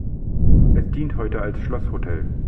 Es dient heute als Schlosshotel.